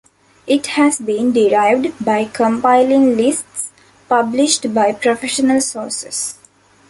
It has been derived by compiling lists published by professional sources.